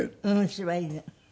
柴犬。